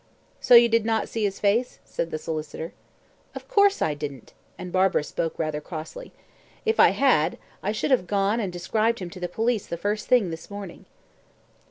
"So you did not see his face?" said the solicitor. "Of course I didn't," and Barbara spoke rather crossly. "If I had, I should have gone and described him to the police the first thing this morning."